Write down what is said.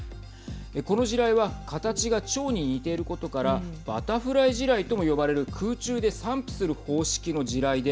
この地雷は形がちょうに似ていることからバタフライ地雷とも呼ばれる空中で散布する方式の地雷で。